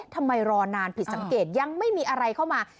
ทำไมรอนานผิดสังเกตยังไม่มีอะไรเข้ามา